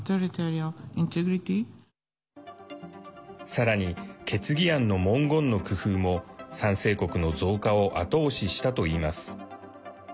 さらに、決議案の文言の工夫も賛成国の増加を後押ししたといいます。